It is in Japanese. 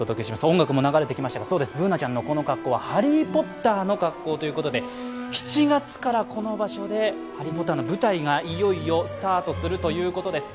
音楽も流れてきましたが、そうです、Ｂｏｏｎａちゃんのこの格好はハリー・ポッターの格好ということで、７月からこの場所で「ハリー・ポッター」の舞台がいよいよスタートするということです。